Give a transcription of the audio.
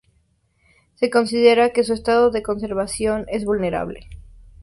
Se considera que su estado de conservación es vulnerable.